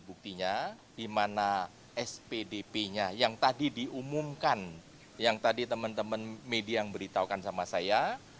buktinya di mana spdp nya yang tadi diumumkan yang tadi teman teman media yang beritahukan sama saya